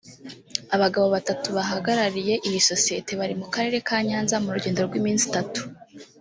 Abagabo batatu bahagarariye iyi sosiyete bari mu karere ka Nyanza mu rugendo rw’iminsi itatu